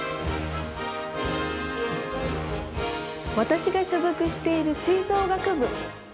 私が所属している吹奏楽部。